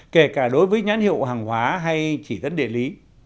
kể cả đối với nhãn hiệu hàng hóa hay chỉ dẫn địa lý